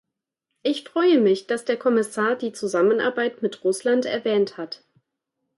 Ich freue mich, dass der Kommissar die Zusammenarbeit mit Russland erwähnt hat.